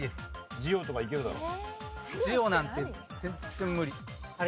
じおなんて全然無理。